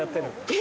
え！